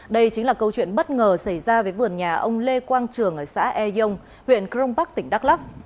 đây chính là câu chuyện bất ngờ xảy ra với vườn nhà ông lê quang trường ở xã e dông huyện crong park tỉnh đắk lắc